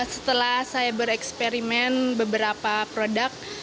setelah saya bereksperimen beberapa produk